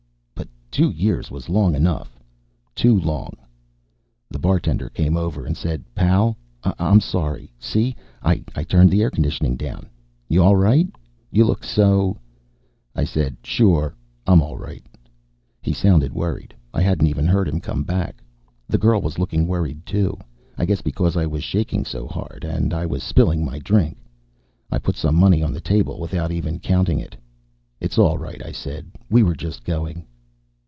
But two years was long enough. Too long. The bartender came over and said, "Pal, I'm sorry. See, I turned the air conditioning down. You all right? You look so " I said, "Sure, I'm all right." He sounded worried. I hadn't even heard him come back. The girl was looking worried, too, I guess because I was shaking so hard I was spilling my drink. I put some money on the table without even counting it. "It's all right," I said. "We were just going."